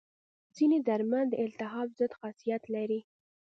ځینې درمل د التهاب ضد خاصیت لري.